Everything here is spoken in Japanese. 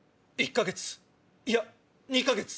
１か月いや２か月。